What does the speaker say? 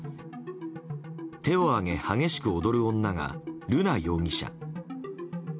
手を上げ激しく踊る女が瑠奈容疑者。